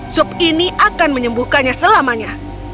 sup ini akan menyembuhkannya selamanya